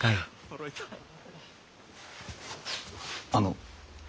あの。